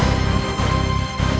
mereka mencari mati